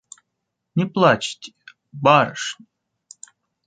Не плачьте, барышня!